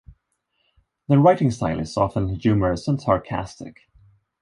The writing style is often humorous and sarcastic.